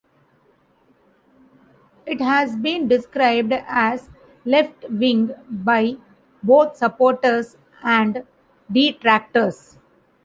It has been described as left-wing by both supporters and detractors.